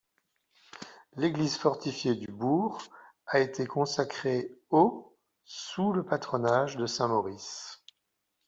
L'église fortifiée du bourg a été consacrée au sous le patronage de saint Maurice.